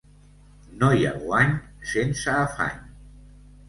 No hi ha guany sense afany.